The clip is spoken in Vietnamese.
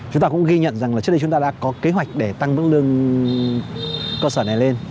chúng ta cũng ghi nhận rằng là trước đây chúng ta đã có kế hoạch để tăng mức lương cơ sở này lên